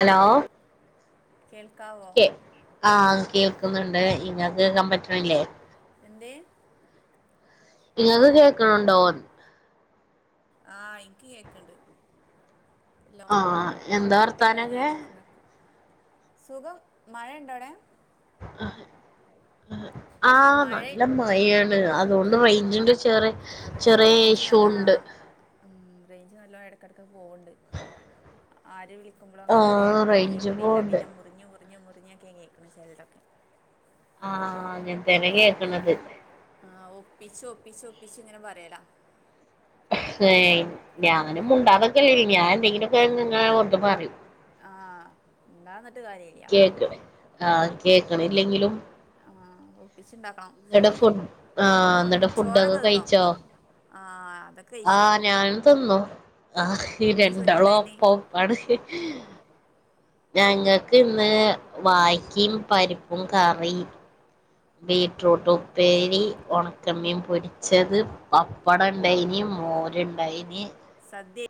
Hello കേൾക്കാവോ കെ ആഹ് കേൾക്കുന്നുണ്ട് ഇങ്ങക്ക് കേക്കാൻ പറ്റ്ണില്ലേ? എന്തേ? ഇങ്ങക്ക് കേക്ക്ണ് ണ്ടോ? ആഹ് ഇക്ക് കേക്ക്ണ്ട്. ല്ലോ ആഹ് എന്താ കൂട്ടിയ വർത്താനൊക്കെ കഴിഞ്ഞര [unintelligible] സുഖം മഴണ്ടോ അവ്ടെ? ആഹ് ആഹ് ആഹ് മഴ നല്ല മഴയാണ് അതുകൊണ്ട് ആഹ് റേഞ്ചിന്റെ ചെറെ ചെറിയെ റേഞ്ച് ഇഷു ഉണ്ട്. ആഹ് റേഞ്ച് നല്ലോം എടക്കെടക്കൊക്കെ പോവ്ണ്ട്. ആര് വിളികുമ്പളും അങ്ങനെന്നെ ആഹ് എടക്ക് റേഞ്ച് കേക്ക്ണില്ല പോണ്ട് പിന്നെ മുറിഞ് മുറിഞ് മുറിഞ്ഞൊക്കെ കേക്ക്ണെ ചെൽതൊക്കെ. ആഹ് അങ്ങ പിന്ന് ആഹ് ഒപ്പിച്ച് ഒപ്പിച്ച് ഒപ്പിച്ച് ഇങ്ങനെ പറയലാ ഏ ഞാനും മുണ്ടാതെക്കെലേയ്നിം ഞാൻ എന്തെങ്കിലൊക്കെ ഇങ്ങനെ ഓർത്ത് പറയും ആഹ് മുണ്ടന്നിട്ട് കാര്യല്ല ക്ക്ണ് ആ കേൾക്ക്‌ണില്ലെങ്കിലും ആഹ് ഒപ്പിച്ച്ണ്ടാക്കണം ഇന്ന്ട്ട് ഫുഡ് ആഹ് ഇന്ന്ട്ട് ഫുഡൊക്കെ തിന്നോ കഴിച്ചോ? ആഹ് അതൊക്കെ ആ കഴിച്ചു ഞാനും തിന്നു ആഹ് ഈ എന്ത് രണ്ടാളും ചോറ്റുണ്ടായിന് ഒപ്പം ഒപ്പാണ് ഞങ്ങക്ക് ഇന്ന് വായക്കിം, പരിപ്പും കറി ബീട്രൂട്ട് ഉപ്പേരി, ഒണക്കമ്മീൻ പൊരിച്ചത് പപ്പട ഇണ്ടായിനിം മോര് ഇണ്ടായിനിം സദ്യ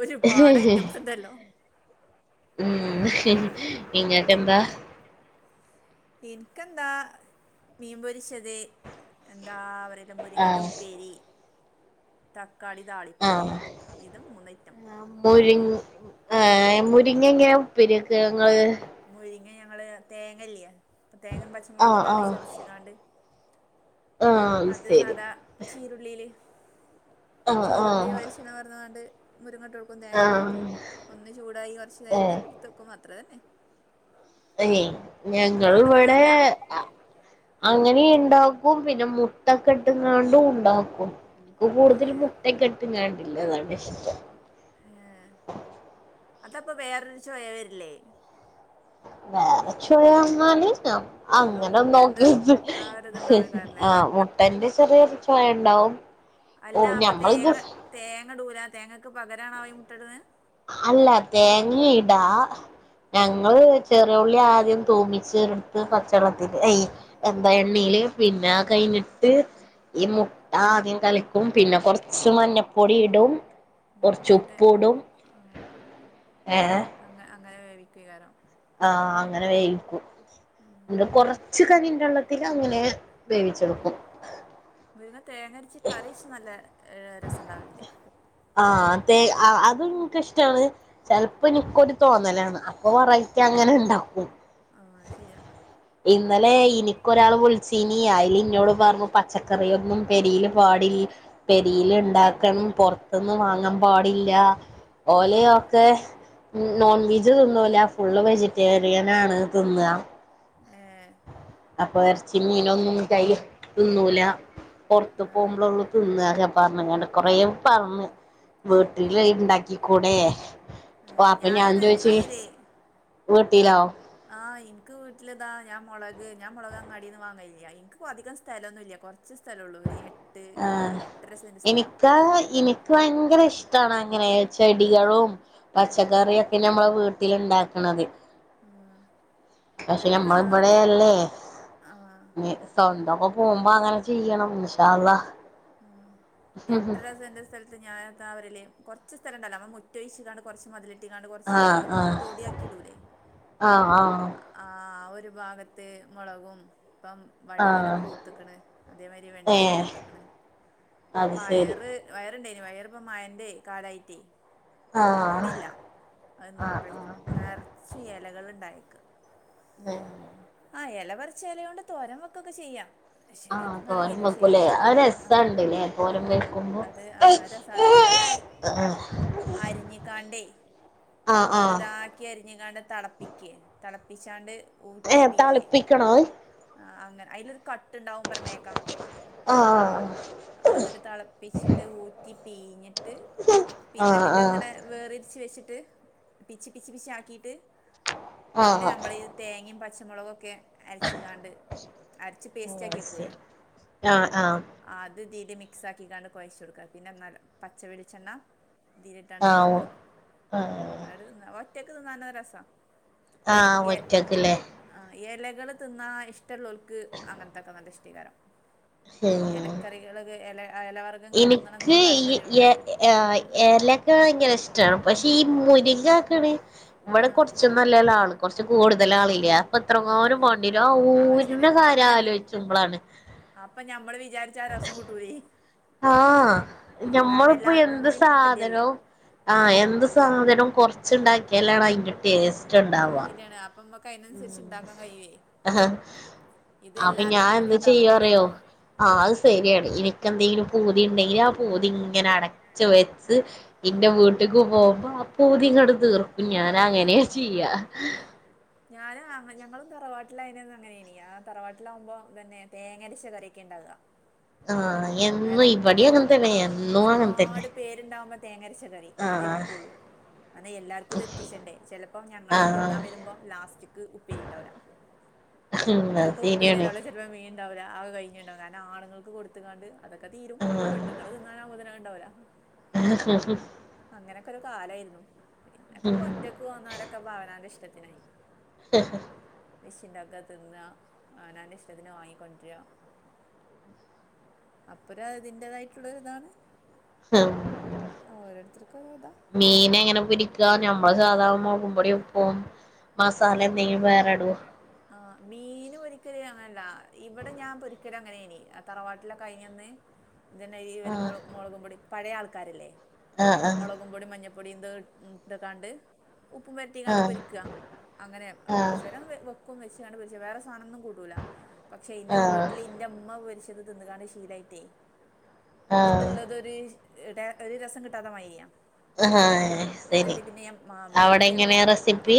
ഒരുപാട് ഐറ്റംസ് ണ്ടല്ലോ? ഉം ഇങ്ങക്കെന്താ എനിക്കെന്താ മീൻപൊരിച്ചത് എന്താ പറയ മുരിങ്ങന്റെ ആഹ് ഉപ്പേരി, തക്കാളി താളിപ്പും ഇതും മൂന്നയിറ്റം മുരിങ്ങ് ഏ മുരിങ്ങ എങ്ങനെ ഉപ്പേരി വെക്കങ്ങള് മുരിങ്ങ ഞങ്ങള് തേങ്ങല്ല്യെ തേങ്ങിം പച്ചമുളക് ആഹ് ഇട്ടാണ്ട് ആഹ് ചതിച്ച് ച്ച്ങ്ങാണ്ട് ആഹ് അത് ശരി സാധാ ചീരുള്ളീല് ആഹ് ചീരുള്ളി ആഹ് വെളിച്ചെണ പാർന്നാണ്ട് മുരിങ്ങട്ടൊ ട്ക്കും ആഹ് തേങ്ങട്ടൊട്ക്കും ഒന്ന് ചൂടായി കൊറച്ച് കഴിഞ്ട്ട് ഏഹ് ഇട്ത്തെക്കും അത്രെതന്നെ ല്ലയ് ഞങ്ങള് നിങ്ങളവിടുന്ന് ഇവടെ അങ്ങനെയല്ല അ അങ്ങനിണ്ടാക്കും പിന്നെ മുട്ടക്കട്ട്ങ്ങാണ്ടും ഉണ്ടാക്കും ഇപ്പ കൂട്തൽ ഏഹ് മുട്ടെക്കെട്ട്ങ്ങാണ്ട് ഇല്ലതാണ് ഇഷ്ടം. ഏ അതപ്പൊ വേറൊരു ചോയ വര്ല്ലേ? വേറെ ചോയ അങ്ങാനില്ല ആ മുട്ടന്റെ അങ്ങനെന്നോക്കിയ ആ പിന്നെ ഒരിതുണ്ടാവോയ്ക്കാരല്ലേ ആ മുട്ടന്റെ ചെറിയൊരു ചൊയ ഇണ്ടാവും അല്ല അപ്പൊ തേങ്ങ തേങ്ങടൂല തേങ്ങക്ക് പകരാണ് ആഈ മുട്ടട്ണ്. അല്ല തേങ്ങിടാ ഞങ്ങള് ചെറിയുള്ളി ആദ്യം തൂമിച്ച് എട്ത്ത് പച്ചെള്ളത്തിൽ ഐ. എന്താ എണ്ണീല് പിന്നെ ആ ഉം കഴിഞ്ഞിട്ട് ഈ മുട്ട ആദ്യം കലക്കും പിന്നെ കൊറച്ച് മഞ്ഞപ്പൊടി ഇടും ഉം കൊറച്ചു എന്നിട്ട് ഉപ്പൂടും ആഹ് ഏഹ് അങ്ങെ അങ്ങനെ വേവിക്കയ്ക്കാരം. ആഹ് അങ്ങനെ വേവിക്കും ഇന്ന് കൊറച്ച് കഞ്ഞിന്റള്ളത്തില് അങ്ങനെ വേവിച്ചെട്ക്കും മുര്ങ്ങ തേങ്ങഅര്ച്ച് കറിച്ച് നല്ല ഹ് രസണ്ടാവൽണ്ട്. ആഹ് തേ ആഹ് അതും ഇൻക്കിഷ്റ്റാണ് ചെൽപ്പൊ ഇൻക്കൊര്തോന്നലാണ്. പ്പൊ വെറൈറ്റി അങ്ങനെഇണ്ടാകും ആഹ് അത് ശരിയാ ഇന്നലെ പി ഇനി ക്കൊരാള് വിൾച്ചീനി അയ്ല്ഇന്നോട്പർഞ്ഞു പച്ചക്കറിയൊന്നും പെരീൽ പാടി പെരീല്ണ്ടാക്കണം പൊർത്ത്ന്ന് വാങ്ങംപാടില്ല ആഹ് ഓലെയോ ക്കെ നോൺവിജ് തിന്നൂല ഫുള്ള് വെജിറ്റേറിയനാണ് തിന്ന. ഏഹ് അപ്പൊ എർച്ചിം മീനൊന്നുംകയ്യ് തിന്നൂല പൊർത്ത് ആഹ് പോവുമ്പൊളൊള്ളു തിന്നാ. പർഞ്കാണ്ട് കൊറേ പർഞ് വീട്ടില് ഏഹ് ഇണ്ടാക്കിക്കുടെ. ഓ ഏഹ് അപ്പൊ ഞാനും അങ്ങനെന്നെ ഞാൻചോയ്ച്ച് ചെയ്യല് വീട്ടിലോ. ആഹ് ഇന്ക്ക് വീട്ടില്താ ഞാ മൊളക് ഞാ മൊളക് അങ്ങാടീന്ന് വാങ്ങല്ല്യ ഇൻക്പ്പൊ അധികം സ്ഥലന്നുല്ല കൊർ ച്ച് സ്ഥലള്ളൂ ഒരു എ ആഹ് ഇനിക്കാ ഇനി ക്ക് ഭയങ്കര ഇഷ്ട്ടാണ് അങ്ങനെ ചെടികളും ആഹ് പച്ചക്കറിയൊ പിന്നെ അമ്മളെ വീട്ടിലിണ്ടാക്ക്ണത് ആഹ്. പഷേ എട്ടര നമ്മൾ ആഹ് ഇബടയല്ലേ ആഹ് ഞ് സ്വന്തൊക്കെ പോവുമ്പോ അങ്ങനെചെയ്യണം ഇൻഷാള്ള. ആഹ് എട്ടരസെന്റ് സ് തൽത്ത് ഞാനെത്താവരല് കൊർച്ച് സ്ഥലണ്ടല്ല മ്ളെ മുറ്റൊയ്ച്ച്ക്കാണ്ട് കൊർച്ച് മതില് ട്ട്കാണ്ട് കൊർച്ച് ആഹ് ഞമ്മള് ആഹ് തൊടിയാക്കിഇടൂലേ ആഹ് ആഹ് ഒരു ഭാഗത്ത് മൊളകും പ്പം വഴുതന ആഹ് പൂത്ത്ക്ണ് അതേമാരി ഏഹ് വെണ്ടിംപൂത്ത്ക്ക്ണ് അത് ശരി പയറ് വയറ്ണ്ടേനി പയറ്പ്പം മയന്റെ കാലയ്റ്റെ ആഹ് പൂക്ക്ണില്ല അഹ് നെറ ആഹ് നെറച്ച് എലകള്ണ്ടായേക്ക ഏഹ് ആഹ് എലപർച്ച് എലയോണ്ട് തോരംവെക്കൊക്കെ ചെയ്യാ ഷേ ആഹ് തോരൻ എന്തെന്നറിയൂല പഷേ ഈ വെക്കൂലേ ഒരു അത് ആഹ് രസണ്ട്ല്ലേ തോരൻ ആഹ് വെക്കുമ്പോ അത് ആഹ് രസാണ് അത് ഞാര് ആഹ് അര്ഞ്ഞിക്കാണ്ടേ അഹ് ആഹ് ക്കി അരിഞ്ഞ്ക്കാണ്ട് തളപ്പിക്കേ തളപ്പിച്ചാണ്ട് ഊ ഏഹ് ഉറ്റിപ്പീയേ തളിപ്പിക്കണോ അത് ആഹ് അങ്ങനെ അയിലൊരു കട്ട്ണ്ടാവും പറഞ്ഞേക്കാ ആഹ്ആഹ് അഹ് ന്ന്ട്ട് തെളപ്പിച്ചിട്ട് ഊറ്റി പീഞ്ഞിട്ട് പിന്നെ ആഹ് ആഹ് പിന്നങ്ങനെ വേറിര്ച്ച് വെച്ചിട്ട് പിച്ച് പിച്ചി പിച്ചിആക്കിട്ട് പിന്നെ ആഹ് നമ്മളീ തേങ്ങിം പച്ചമൊള്കൊക്കെ അര്ച്കാണ്ട് അര്ച്ച് ആഹ് പേസ്റ്റാക്കിവെക്കുലെ ശരി ആഹ് ആഹ് അത് തീല് മിക്സാക്കികാണ്ട് കൊയച്ചെട്ക്ക പിന്നെ നല്ല പച്ചവെളിച്ചെണ്ണ തീല്ട്ടാണ്ട് ആഹ് കൊയ്ക ആഹ് അട് ന്ന ഒറ്റക്ക് തിന്നാനു രസാ ആഹ് എ ഒറ്റക്ക്ലെ ആ എലകള് തിന്നാ ഇഷ്ടള്ളോൽക് അങ്ങൻത്തൊക്കെ നല്ല ഇഷ്ട്ടയ്കാരം. എലക്കറികൾക് എല ആ എല വർ ഇന്ക്ക് ഇ എഹ് ഏഹ് എലക്ക ബൈങ്കര ഇഷ്റ്റ പഷേ ഈ മുരിങ്ങാക്ണ് ആ ഇമ്മടെ കൊട്ച്ച് നല്ലേലാള് കൊർച്ച് കൂടുതലാളില്ല്യേ ആ പത്രങ്ങാനും മാണ്ടിലോ ആ ഊര്ണ കാര്യ ആലോയ്ച്ചുമ്പളാണ് അപ്പൊ ഞമ്മള് വിജാരി ച്ച രസംകിട്ടൂലെ ആഹ് ആഹ് കാരണ ഞമ്മളിപ്പോ എന്ത് എല്ലാർക്കുകൂടിണ്ടാക്കണ്ടിര്ലെ സാധനവും ആഹ് എന്ത് സാധനും കൊർച്ച്ണ്ടാക്കിയാലാണ് അയ്ന്റെ ടേസ്റ്റ് അ ഉണ്ടാവുക ശരിയാണ് ആഹ് അപ്പമ്മക്ക് അയിനൻസരിച്ച് ഉം ഇണ്ടാക്കാൻ കഴിയേ ആഹ് ഇത് എല്ലാർക്കും കൂടി ഇണ്ടാക്കുമ്പളേ. ആ അത് സരിയാണ് ഇൻക്കെന്തെങ്കിലും പൂതി ഉണ്ടെങ്കിൽ ആ പൂതിങ്ങനെ അടച്ച് വെ ഇന്റെ വീട്ട്ക്ക് പോകുമ്പോ ആ പൂതിങ്ങട്ട് തീർക്കും ഞാനങ്ങനെ ചെയ്യാ ഹേഹ്‌ ഞാനാ ഞങ്ങളും തറവാട്ടിലായീനന്ന് അങ്ങനേനി ആ തറവാട്ടിലാകുമ്പോ ഇതന്നെ തേങ്ങര്ച്ച കറിയോക്കെണ്ടാവ ആഹ് എന്നും കാരണം ഒ ഇവിടേം ഒരു അങ്ങനെ തന്നെ ആ എന്നും അങ്ങനെ തന്നെ ഒരുപാട് പേര്ണ്ടാവുമ്പ തേങ്ങര്ച്ച കറി. അതെ ആഹ് വെക്കൊള്ളൂ ആന്നേ എല്ലാർക്കും ഇത് എത്തിച്ചണ്ടേ, ചെലപ്പോ ഞങ്ങളൊക്കെ ആഹ് തിന്നാ വരുമ്പം ലാസ്റ്റ്ക് ഉപ്പേരിണ്ടാവൂല. [unintelligible] [unintelligible] ചെൽപ്പോ മീന്ണ്ടാവൂല അ കഴിഞ്ഞിണ്ടാവും കാരണം ആണുങ്ങൾക്ക് കൊടുത്ത്കാണ്ട് ക്കെ തീരും ആഹ് പെണ്ണ്ങ്ങള് തിന്നാനാവുമ്പോത്തിന് അത്ണ്ടാവൂല. [inaudible] അങ്ങനൊക്കെ ഒരു കാലെര്ന്നു ഉം പിന്നൊക്കെപ്പോ ഒറ്റക്ക് പോന്നോരോക്കെ അവനാന്റെഷ്ട്ടത്തിനായി. വെച്ച്ണ്ടാക്ക തിന്ന അവനാന്റഷ്ട്ടത്തിന് വാങ്ങികൊണ്ടര അപ്പര അതിന്റേതായിട്ടുള്ളൊരിതാണ്. ഉം ആ ഓരോരുത്തർക്കും ഓരോതാ. മീനങ്ങനെ പൊരിക്കാ നമ്മള് സാധാ മൊളകും പൊടിം ഉപ്പും. മസാലന്തേ വേറെടോ? ആഹ് മീന് പൊരിക്കല് അങ്ങനല്ല ഇവടെ ഞാൻ പൊരിക്കല് അങ്ങനെനി തറവാട്ടിലൊക്കെ ആയീനന്ന് ഇതന്നെ ഈ ഒരു ആഹ് മുള മുളകും പൊടി പഴയ ആൾക്കാരല്ലേ ആഹ് ആഹ് മൊപൊടിം, മഞ്ഞപ്പൊടിംഇന്ത ഉം ഇട്ട്കാണ്ട് ഉപ്പുംപെരട്ടികാണ്ട് ആഹ് പൊരിക്ക. അങ്ങനെ ആഹ് ആഹ് കൊർചേരം വെ വെക്കും വെച്ച്കാണ്ട് പൊരിച്ച വേറെ സാധനൊന്നും കൂട്ടൂല പക്ഷെ ഇന്റെ ആഹ് വീട്ടില് ഇൻ ന്റെമ്മ പൊരിച്ചത് തിന്ന്കാണ്ട് ശീലായിട്ടെ ആഹ് ഇത്ള്ളതൊരു ഇ ടെ ഒരു രസം കിട്ടാതെമയിയ. ആഹാ സെരി അവിടെങ്ങനെയാ റെസിപ്പി?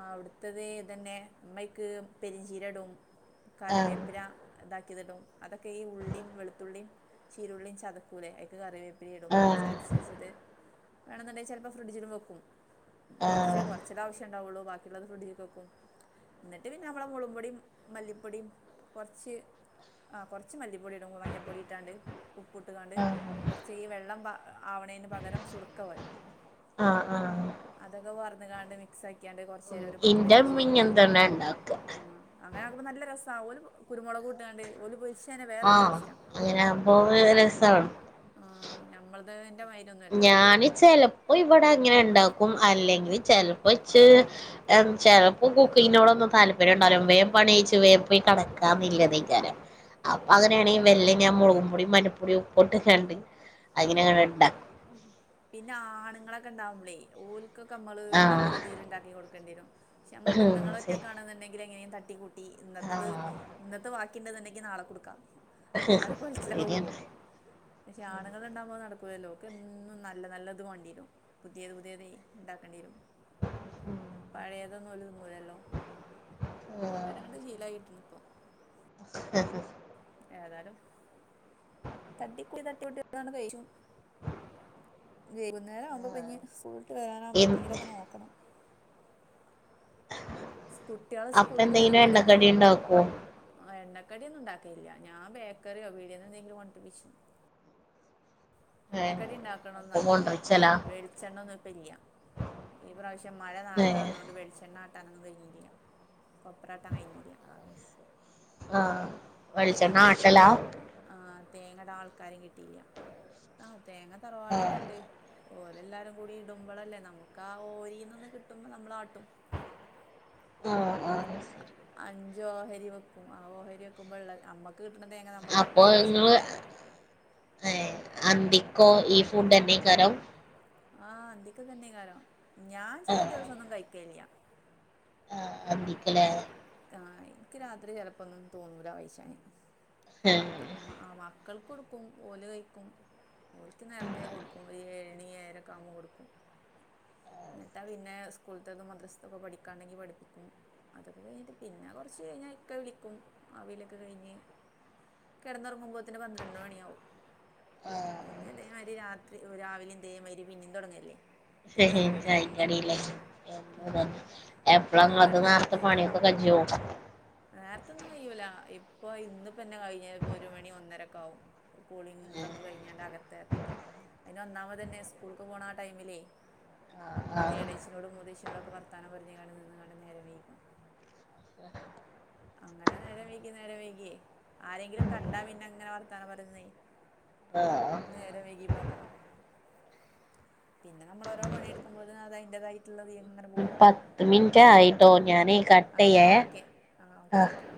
അവ്‌ട്ത്തത് ഇതന്നെ ഇമ്മയ്ക്ക് പെരുംഞ്ചീരടും ആഹ് കറിവേപ്പില ഇതാക്കീയത്ടും അതൊക്കെ ഈ ഉള്ളിം വെളുത്തുള്ളിം ചീരുള്ളിം ചതക്കൂലെ അയ്ക്ക് കറിവേ വേഗം അത് ആഹ് ചര്ച്ച്ച്ചത് വേണന്നുണ്ടേ ചെൽപൊ ഫ്രിഡ്ജിലുംവെക്കും കൊർച്ച് ആഹ് കൊർ [unintelligible] ആവശ്യണ്ടാവുള്ളൂ ബാക്കിള്ളത് ഫ്രഡ്ജിക് വെക്കും. ന്നട്ട് പിന്നെ നമ്മളെ മൊളകുംപൊടിം മല്ലിപൊടിം കൊർച്ച് ആഹ് കൊർച്ച് മല്ലി പൊടിടും മഞ്ഞപ്പൊടിംട്ടാണ്ട് ഉപ്പുട്ട്കാണ്ട് ആഹ് കൊർച്ച്ഈ വെള്ളം പാ ആവ്ണെന് പകരം സുർക്ക പാരും ആഹ് അതൊക്കെ പാർന്ന്കാണ്ട് മിക്സാക്ക്യാണ്ട് കൊർച്ചേരം ഒരു പത്ത് പതിനഞ്ച് ഇന്റെമ്മ മിൻറ്റ് ഇങ്ങൻതന്നെ ആഹ് ഇണ്ടാക്ക ആഹ് അങ്ങനെ ആകുമ്പോ നല്ല രസാ ഓല് കുരുമുളകൂട്ടാണ്ട് ഓല് പൊര് ആഹ് അങ്ങനാകുമ്പോ രസാണ്. ആഹ് ഞമ്മള്ദ് എന്റെവയി ഞാന് ചെലപ്പൊ ഇവടെങ്ങനെ ഇണ്ടാക്കും അല്ലെങ്കി ചെൽപ്പൊച്ച് ചെലപ്പൊ കുക്കിങ്ങിനോടൊന്നും താല്പര്യംണ്ടാവൂല. വേംപണെയ്ച് വേം പോയി ആ കടക്കാവല്യനയിക്കാരം. അപ്പൊ അങ്ങനെയാണെ മെല്ലെ ഞാൻ മൊളക്പൊടിം മഞ്ഞപ്പൊടി ഉപ്പുട്ട്ങ്ങാട്ട് ആ അങ്ങെനെഇണ്ടാക്കും. പിന്നെ ആണ്ങ്ങളൊക്കെ ഇണ്ടാവുമ്പളെ ഓല്. ക്കൊക്കെ നമ്മള് ആഹ് നല്ലൊരുതീല്ണ്ടാക്കി കൊടുക്കെണ്ടിയരും ക്ഷേ അമ്മള് ശരി പെണ്ണുങ്ങളൊറ്റക്കാണ്ന്നുണ്ടെങ്കിൽ എങ്ങനെലും തട്ടി കൂ ഈഇന്നത്തത് ആഹ് ഇന്നത്ത ബാക്കിണ്ട്ന്ന്ണ്ടെങ്കി നാള കൊടുക്കാം. ശരിയാണ് [unintelligible] പക്ഷെ ആ [unintelligible] ഉണ്ടാകുമ്പോ അത് നടക്കൂലല്ലോ ഓക്കെന്നും നല്ല നല്ലത് വാണ്ടിരും. പുതിയത് പുതിയതെയ് ഇണ്ടാക്കണ്ടീരും. പഴേതൊന്നുംഓര് തിന്നൂലല്ലോ. അങ്ങനെങ്ങണ്ട് ശീലായി കിട്ട്ണ്പ്പൊ. ആഹ് ആഹ് ഏതാലും തട്ടിമുട്ടി തട്ടിമുട്ടിയാണ്ട് കഴിച്ചും വൈകുന്നേരം ആവുമ്പോപിന്നി സൂൾട്ട് ഉം. വരാനാവുമ്പോത്തിന് ഇ- ന്തെങ്കിലൊക്കെ നോക്കണം. സ്ക് കുട്ട്യോൾ അപ്പ സ്കൂളിട്ട് എന്തെങ്കിലും വരുംബളെ വെ എണ്ണക്കടി ഉണ്ടാക്കുവോ ആഹ് എണ്ണക്കടിയൊന്നും ഉണ്ടാക്കല്യാ ഞാൻ ബേക്കറിയോ പീട്യേന്ന് എന്തെങ്കിലും കൊണ്ടരിപ്പിച്ചും. ഏ എണ്ണക്കടി ഇണ്ടാക്കണൊന്നും അപ്പൊ നടക്കൂല വെ കൊണ്ടറിച്ചലാ വെളിച്ചെണൊന്നുംപ്പല്യ.. ഈ ഏ പ്രാവശ്യംമഴനേർത്തെ വന്നോണ്ട് വെളിച്ചെണ്ണ ആട്ടാനൊന്നും കയിഞ്ഞില്യ. കൊപ്രാട്ടാൻ കയിഞ്ഞീല്യാ ആഹ് വെളിച്ചെണ്ണ തേങ്ങ ആട്ടലാ ആഹ് തേങ്ങടാൻ ആൾക്കാരെ കിട്ടീല്യാ ആഹ തേങ്ങ ആ തറവാട്ടിലിണ്ട്. ഓലെല്ലാരും കൂടി ഇടുമ്പളല്ലേ നമുക്കാ ആ ഓരീനിന്ന് കിട്ടുമ്പോ നമ്മളാട്ടും ആഹ് ആഹ് അഞ്ച് ഓഹരിവെക്കും ആ ഓഹരി വെക്കുമമ്പൊള്ള അമ്മക്ക് കിട്ടണതേങ്ങ അമ്മള് ആട്ടി വെളിച്ചെണാക്കും ഏഹ് അന്തിക്കോ ഈ ഫുഡനെക്കാരം ആഹ് അന്തിക്കിതന്നെയ്ക്കാരം ഞാൻ ആ ചില ദിവസൊന്നും കഴിക്കല്യ. ആഹ് അതി ആഹ് എക്കിരാത്രി ചെലപ്പൊന്നും തോന്നൂലാ കയ്ച്ചാന്. ഏഹ് ആ മക്കൾക്ക് കൊടുക്കും ഓല് കഴിക്കും. ഓല്ക്ക് നേരത്തെകൊടുക്കും ഒര ഏഴണി ഏഴരക്കാവുമ്പോ കൊടുക്കും ന്നിട്ടാ പിന്നെ സ്കൂളത്തക്കെ മദ്രസ്ത്തൊക്കെ പഠിക്കാണ്ടെങ്കിൽ പഠിപ്പിക്കും അതൊക്കെ കയിഞ്ഞിട്ട് പിന്നെ കൊറച്ച് കയിഞ്ഞാൽ ഇക്ക വിളിക്കും ആ വിളിയൊക്കെ കയിഞ്ഞ്. കെടന്നൊറങ്ങുമ്പോത്തിന് പന്ത്രണ്ട് മണിയാവും. ആ പിന്നെ ഇതേമാരി രാത്രി രാവിലേം ഇതേമാരി പിനേം തൊടങ്ങല്ലേ. ചായക്കടിലെ എപ്പളങ്ങളത് അങ്ങോട്ടും നേരത്തെ പണിയൊക്കെ കജ്ജോ നേരത്തെ ഒന്നുംകയൂല ഇപ്പൊ ഇന്നിപ്പൊന്നെ കയിഞ്ഞേ ഒരുമണി ഒന്നരൊക്കാവും കൂളിം ഏ ഇതൊക്കെ കഴിഞ്ഞാണ്ട്‌ അകത്തെറണെങ്കിൽ. അയിന് ഒന്നാമതന്നെ സ്കൂൾക്ക് പോണാ ടൈമിലേ. ആ ആ അവിടെ എളേച്ചിനോടും മൂത്തച്ചിനോടൊക്കെ വർത്താനം പറഞ്ഞ്ങ്ങാണ്ട് നിന്ന്ങ്ങാണ്ട്‌ നേരം വൈകും [inaudible] അങ്ങന നേരം വൈകി നേരം വൈക്യേ. ആരെങ്കിലും കണ്ടാപിന്നെങ്ങനെ വർത്താനപറഞ്ന്നെ ആഹ് ആഹ്. നേരം വൈകിപോണതാ പിന്നെ നമ്മളോരോ പണിയെടുക്കുമ്പോത്തിന് അത് അയിന്റേതായിട്ടുള്ളയങ്ങനെ പോവും പത്ത്മിന്റായിട്ടോ ഞാനെ ആ കട്ടെയെ എന്നാ ഓക്കെ ആ ഓക്കെ ആഹ്. ഓക്കെ